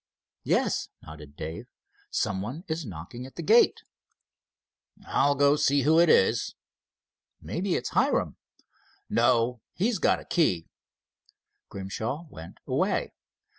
"Yes," nodded Dave, "some one is knocking at the gate." "I'll go and see who it is." "Maybe it's Hiram." "No, he's got a key." Grimshaw went away.